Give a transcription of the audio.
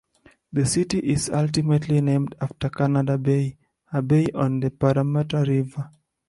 The city is ultimately named after Canada Bay, a bay on the Parramatta River.